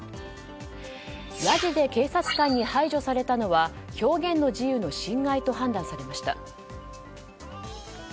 やじで警察官に排除されたのは表現の自由の侵害と判断されました。